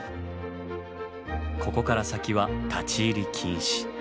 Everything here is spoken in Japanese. ここから先は立ち入り禁止。